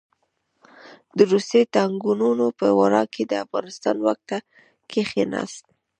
د روسي ټانګونو په ورا کې د افغانستان واک ته کښېناست.